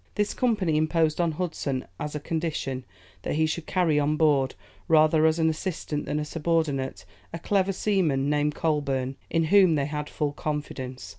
This company imposed on Hudson as a condition, that he should carry on board, rather as an assistant than as a subordinate, a clever seaman, named Coleburne, in whom they had full confidence.